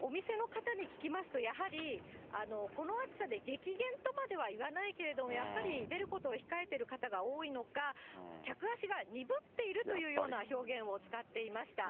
お店の方に聞きますと、やはり、この暑さで激減とまではいわないけれども、やっぱり出ることを控えている方が多いのか、客足が鈍っているというような表現を使っていました。